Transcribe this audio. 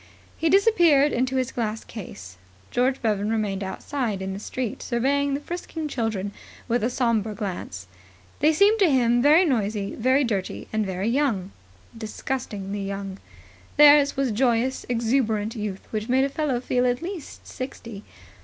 He disappeared into his glass case. George Bevan remained outside in the street surveying the frisking children with a sombre glance. They seemed to him very noisy, very dirty and very young. Disgustingly young. Theirs was joyous, exuberant youth which made a fellow feel at least sixty.